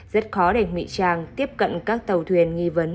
rất khó đành mị trang tiếp cận các tàu thuyền nghi vấn